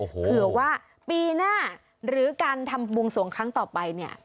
เผื่อว่าปีหน้าหรือการทำบวงสวงครั้งต่อไปเนี่ย